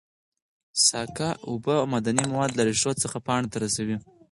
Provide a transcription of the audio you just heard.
ساقه اوبه او معدني مواد له ریښو څخه پاڼو ته رسوي